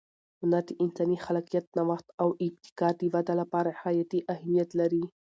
هنر د انساني خلاقیت، نوښت او ابتکار د وده لپاره حیاتي اهمیت لري.